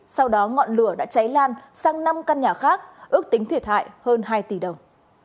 sau đó ngọn lửa đã cháy lan sang năm căn nhà khác ước tính thiệt hại hơn hai tỷ đồng